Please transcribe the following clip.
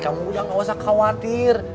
kamu udah gak usah khawatir